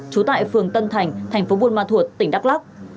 chú tại phường tân thành thành phố buôn ma thuật tỉnh đắk lắc